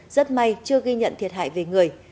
rất may chưa ghi nhận thiệt hại về người